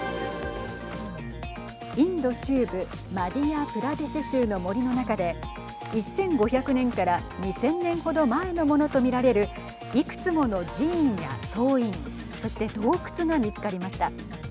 インド中部マディヤプラデシュ州の森の中で１５００年から２０００年程前のものと見られるいくつもの寺院や僧院そして洞窟が見つかりました。